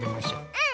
うん！